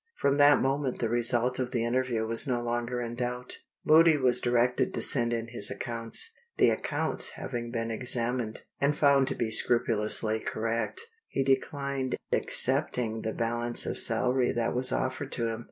From that moment the result of the interview was no longer in doubt. Moody was directed to send in his accounts. The accounts having been examined, and found to be scrupulously correct, he declined accepting the balance of salary that was offered to him.